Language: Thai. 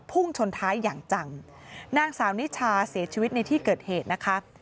พุ่งชนท้ายอย่างจังนางสาวนิชาเสียชีวิตในที่เกิดเหตุนะคะ